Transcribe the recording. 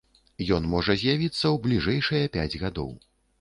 Ён можа з'явіцца ў бліжэйшыя пяць гадоў.